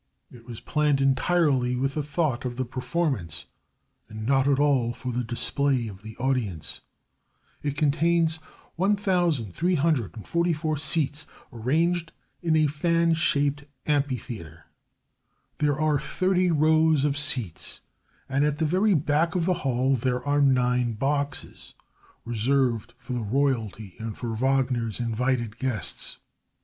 It was planned entirely with the thought of the performance and not at all for the display of the audience. It contains 1344 seats, arranged in a fan shaped amphitheater. There are thirty rows of seats, and at the very back of the hall there are nine boxes, reserved for royalty and for Wagner's invited guests.